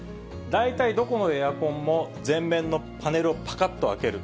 大体どこのエアコンも、前面のパネルをぱかっと開ける。